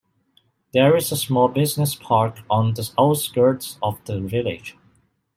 There is a small business park on the outskirts of the village.